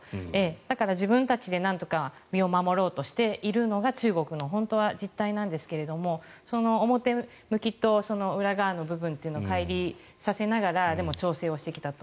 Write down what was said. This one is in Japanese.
だから自分たちでなんとか身を守ろうとしているのが中国の本当の実態なんですが表向きと裏側の部分というのをかい離させながらでも調整してきたと。